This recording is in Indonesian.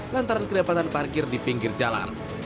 lantaran kedapatan parkir di pinggir jalan